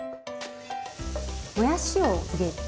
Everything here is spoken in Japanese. もやしを入れて。